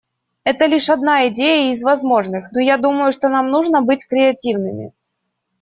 Это лишь одна идея из возможных, но я думаю, что нам нужно быть креативными.